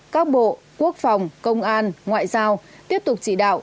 các bộ quốc phòng công an ngoại giao tiếp tục chỉ đạo